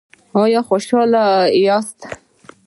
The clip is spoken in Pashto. ایا خوشحاله یاست؟